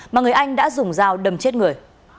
mà người anh đã dùng dao đầm chết người